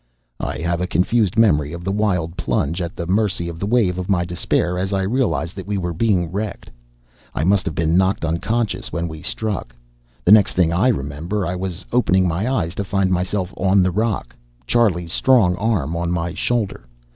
I have a confused memory of the wild plunge at the mercy of the wave, of my despair as I realized that we were being wrecked. I must have been knocked unconscious when we struck. The next I remember I was opening my eyes to find myself on the rock, Charlie's strong arm on my shoulder.